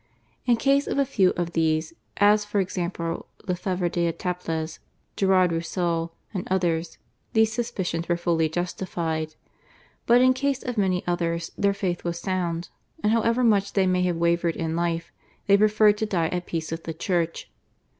In case of a few of these, as for example Lefevre d'Etaples, Gerard Roussel, and others, these suspicions were fully justified; but in case of many others their faith was sound, and however much they may have wavered in life they preferred to die at peace with the Church.